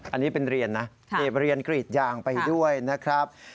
อันนี้เป็นเรียนนะเสพเรียนกรีดยางไปด้วยนะครับ